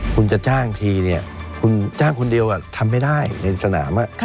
คุณจะจ้างทีเนี่ยคุณจ้างคนเดียวทำไม่ได้ในสนาม